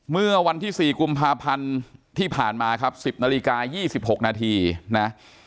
เมื่อวันที่๔กุมภาพันธ์ที่ผ่านมาครับ๑๐นาฬิกา๒๖นาทีนะ